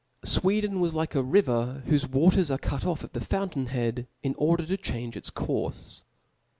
Sweden was like a river, whofe waters are cut off at the fountain head, in order to change its courfe.